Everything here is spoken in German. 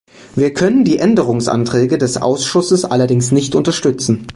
Wir können die Änderungsanträge des Ausschusses allerdings nicht unterstützen.